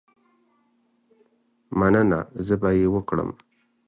مننه، زه به یې وکړم.